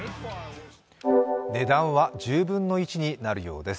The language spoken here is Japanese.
値段は１０分の１となるようです。